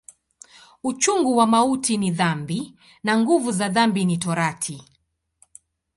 Uchungu wa mauti ni dhambi, na nguvu za dhambi ni Torati.